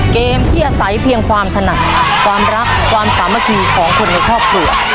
เกมที่อาศัยเพียงความถนัดความรักความสามัคคีของคนในครอบครัว